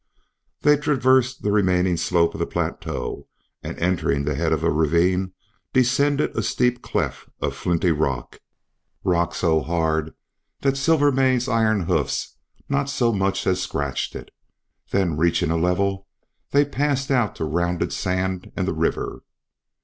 They traversed the remaining slope of the plateau, and entering the head of a ravine, descended a steep cleft of flinty rock, rock so hard that Silvermane's iron hoofs not so much as scratched it. Then reaching a level, they passed out to rounded sand and the river.